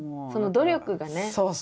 その努力がね絶対。